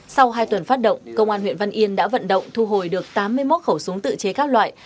sau hai tuần phát động công an huyện văn yên đã vận động thu hồi được tám mươi một khẩu súng tự chế các loại